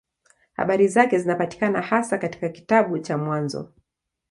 Habari zake zinapatikana hasa katika kitabu cha Mwanzo.